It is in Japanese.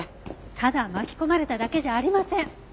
ただ巻き込まれただけじゃありません。